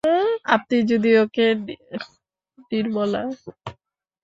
আপনি যদি ওঁকে– নির্মলা।